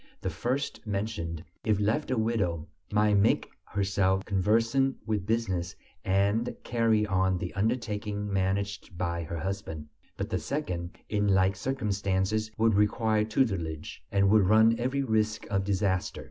The first mentioned, if left a widow, might make herself conversant with business and carry on the undertaking managed by her husband; but the second in like circumstances would require tutelage, and would run every risk of disaster.